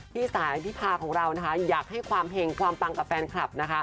ที่สายพภาครัวของเรานะคะอยากให้ความแผ่งความปังกับแฟนคลับ